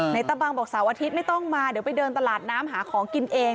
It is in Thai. ตะบังบอกเสาร์อาทิตย์ไม่ต้องมาเดี๋ยวไปเดินตลาดน้ำหาของกินเอง